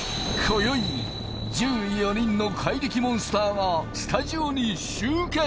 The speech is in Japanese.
今宵１４人の怪力モンスターがスタジオに集結